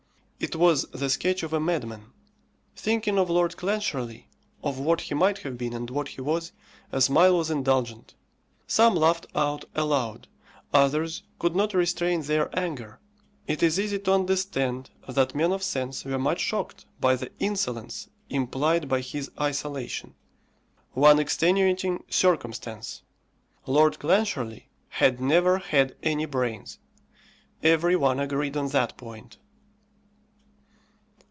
It was the sketch of a madman. Thinking of Lord Clancharlie, of what he might have been and what he was, a smile was indulgent; some laughed out aloud, others could not restrain their anger. It is easy to understand that men of sense were much shocked by the insolence implied by his isolation. One extenuating circumstance: Lord Clancharlie had never had any brains. Every one agreed on that point.